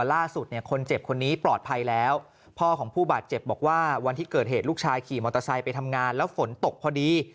ล่าสุดเนี่ยคนเจ็บคนนี้ปลอดภัยแล้วพ่อของผู้บาดเจ็บบอกว่าวันที่เกิดเหตุลูกชายขี่มอเตอร์ไซค์ไปทำงานแล้วฝนตกพอดี